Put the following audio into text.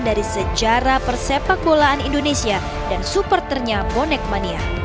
dari sejarah persepak bolaan indonesia dan supporternya bonek mania